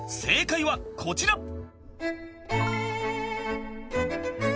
［正解はこちら］